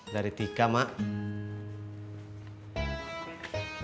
dari tika mak